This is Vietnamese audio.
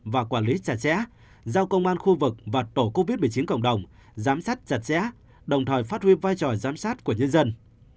và quản lý chặt chẽ giao công an khu vực và tổ covid một mươi chín cộng đồng giám sát chặt chẽ đồng thời phát huy vai trò giám sát của nhân dân